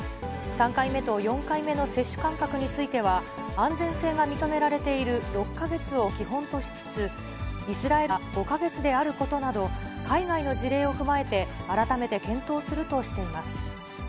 ３回目と４回目の接種間隔については、安全性が認められている６か月を基本としつつ、イスラエルの接種間隔が５か月であることなど、海外の事例を踏まえて、改めて検討するとしています。